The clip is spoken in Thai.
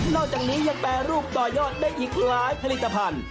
อกจากนี้ยังแปรรูปต่อยอดได้อีกหลายผลิตภัณฑ์